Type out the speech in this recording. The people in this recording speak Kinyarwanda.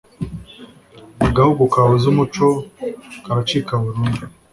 agahugu kabuze umuco karacikaburundu